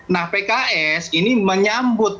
nah pks ini menyambut